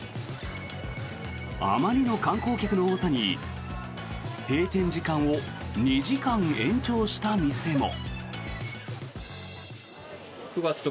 あまりの観光客の多さに閉店時間を２時間延長した店も。